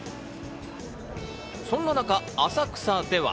そんな中、浅草では。